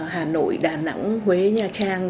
hà nội đà nẵng huế nha trang